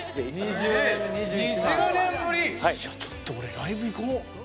いやちょっと俺ライブ行こう。